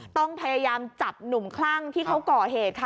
ต้องพยายามจับหนุ่มคลั่งที่เขาก่อเหตุค่ะ